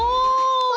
お！